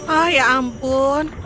ah ya ampun